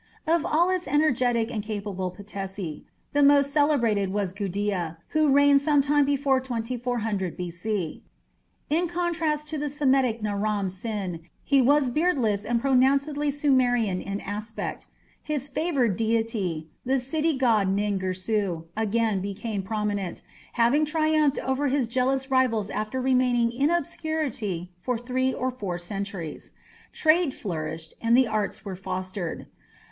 Of all its energetic and capable patesis, the most celebrated was Gudea, who reigned sometime before 2400 B.C. In contrast to the Semitic Naram Sin, he was beardless and pronouncedly Sumerian in aspect. His favoured deity, the city god Nin Girsu, again became prominent, having triumphed over his jealous rivals after remaining in obscurity for three or four centuries. Trade flourished, and the arts were fostered.